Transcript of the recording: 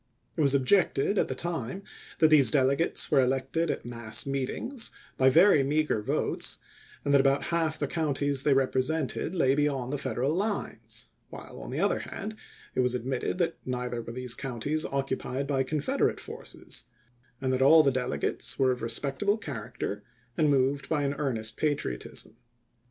It was objected, at the time, that these delegates were elected at mass meetings by very meager votes, and that about half the coun ties they represented lay beyond the Federal lines ; while, on the other hand, it was admitted that neither were these counties occupied by Confederate forces, and that all the delegates were of respectable char acter and moved by an earnest patriotism.